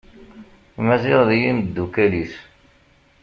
Maziɣ d yimddukal-is.